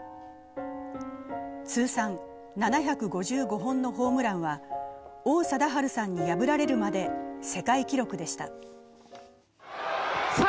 通算７５５本のホームランは、王貞治さんに破られるまで世界記録でした。